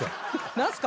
何すか？